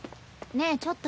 ねえちょっと。